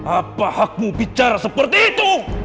apa aku bicara seperti itu